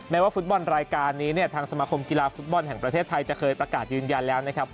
ว่าฟุตบอลรายการนี้เนี่ยทางสมาคมกีฬาฟุตบอลแห่งประเทศไทยจะเคยประกาศยืนยันแล้วนะครับ